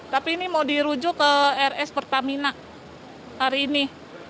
tapi ini mau dirujuk ke rs pertamina hari ini